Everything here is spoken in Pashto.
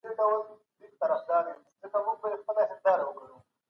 د علم د تګلارو پرتله د ټولو فکري ځواک څخه تغذیه کیږي.